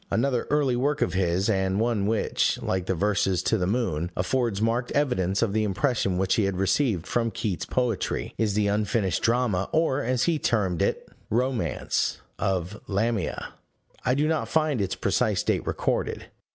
Another early work of his, and one which, like the verses To the Moon, affords marked evidence of the impression which he had received from Keats's poetry, is the unfinished drama (or, as he termed it, "romance") of Lamia: I do not find its precise date recorded.